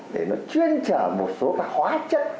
để nó chuyên trở một số các hóa chất